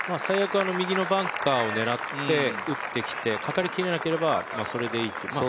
最悪右バンカーを狙って打ってきて、かかりきれなければそれでいいと。